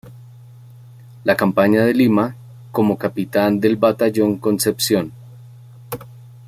La Campaña de Lima Como Capitán del Batallón Concepción.